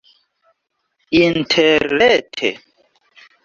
interrete